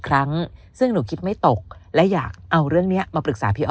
ครั้งซึ่งหนูคิดไม่ตกและอยากเอาเรื่องนี้มาปรึกษาพี่อ้อ